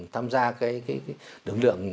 tham gia cái đứng lượng